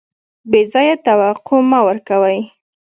بې ځایه توقع مه ورکوئ.